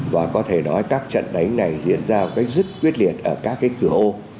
và có thể nói các trận đánh này diễn ra một cách rất quyết liệt ở các cái cửa ô